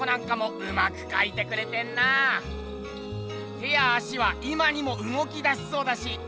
手や足は今にもうごきだしそうだし。